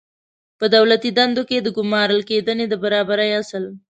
په دولتي دندو کې د ګمارل کېدنې د برابرۍ اصل